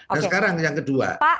dan sekarang yang kedua